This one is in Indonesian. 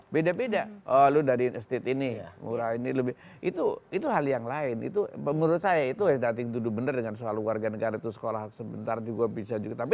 beda beda oh lu dari state ini ya murah ini lebih itu hal yang lain itu menurut saya itu it nothing to do bener dengan soal warga negara itu sekolah sebentar juga bisa juga tapi